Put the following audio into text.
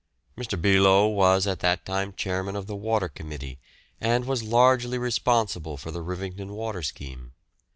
Mr. Beloe was at that time Chairman of the Water Committee, and was largely responsible for the Rivington water scheme.